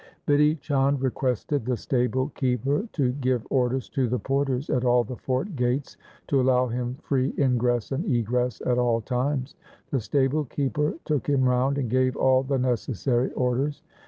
Bidhi Chand requested the stable keeper to give orders to the porters at all the fort gates to allow him free ingress and egress at all times. The stable keeper took him round and gave all the necessary orders.